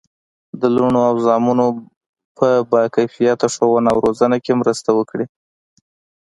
د لوڼو او زامنو په باکیفیته ښوونه او روزنه کې مرسته وکړي.